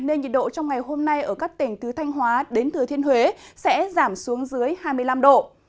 nên nhiệt độ trong ngày hôm nay ở các tỉnh từ thanh hóa đến thừa thiên huế sẽ giảm xuống dưới hai mươi năm độ